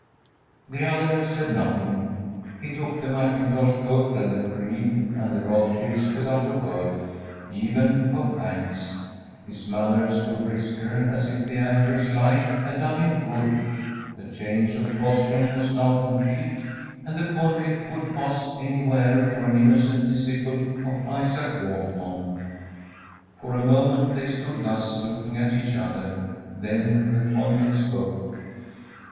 ‚ÄĚ The other said nothing. He took the mackintosh coat and the creel and the rod case without a word even of thanks. His manners were brisker, as if the angler's lie had done him good. The change of costume was now complete, and the convict would pass anywhere for an innocent disciple of Isaac Walton. For a moment they stood thus, looking at each other. Then the convict spoke.